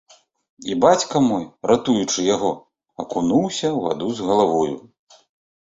І бацька мой, ратуючы яго, акунуўся ў ваду з галавою.